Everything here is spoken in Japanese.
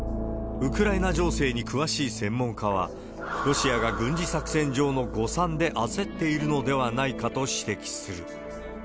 ウクライナ情勢に詳しい専門家は、ロシアが軍事作戦上の誤算で焦っているのではないかと指摘する。